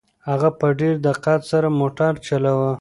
هغه په ډېر دقت سره موټر چلاوه.